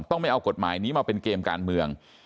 ไม่เอากฎหมายนี้มาเป็นเกมการเมือง